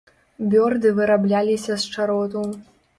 Бёрды вырабляліся з чароту.